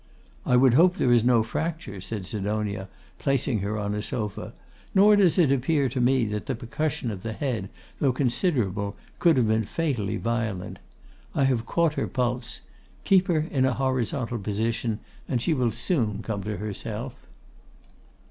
'I would hope there is no fracture,' said Sidonia, placing her on a sofa, 'nor does it appear to me that the percussion of the head, though considerable, could have been fatally violent. I have caught her pulse. Keep her in a horizontal position, and she will soon come to herself.